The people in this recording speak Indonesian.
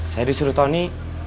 saya disuruh tony